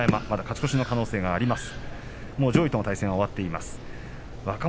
馬山まだ勝ち越しの可能性があります。